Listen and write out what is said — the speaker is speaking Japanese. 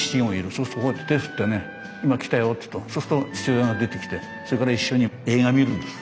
そうするとこうやって手ぇ振ってね今来たよって言うとそうすると父親が出てきてそれから一緒に映画見るんです。